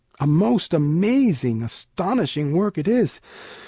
A most amazing, astonishing work it is!